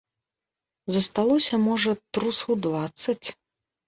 Засталося, можа, трусаў дваццаць.